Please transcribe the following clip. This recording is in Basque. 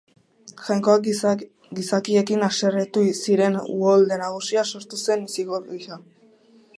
Jainkoak gizakiekin haserretu ziren Uholde Nagusia sortu zuen zigor gisa.